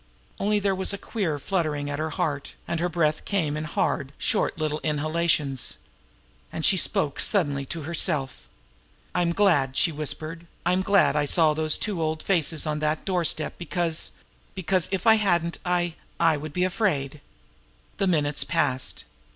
Only there was a queer fluttering at her heart now, and her breath came in hard, short little inhalations. And she spoke suddenly to herself: "I'm glad," she whispered, "I'm glad I saw those two old faces on that doorstep, because because, if I hadn't, I I would be afraid." The minutes passed.